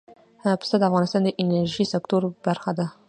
پسه د افغانستان د انرژۍ سکتور برخه ده.